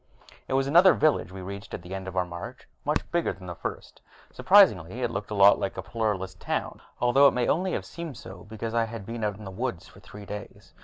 It was another village we reached at the end of our march, much bigger than the first. Surprisingly, it looked a lot like a Pluralist town, although it may only have seemed so because I had been out in the woodlands for three days.